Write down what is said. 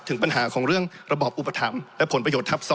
ถึงปัญหาของเรื่องระบอบอุปถัมภ์และผลประโยชนทัพ๒